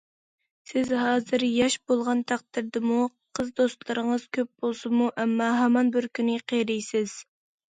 سىز ھازىر ياش بولغان تەقدىردىمۇ، قىز دوستلىرىڭىز كۆپ بولسىمۇ، ئەمما ھامان بىر كۈنى قېرىيسىز.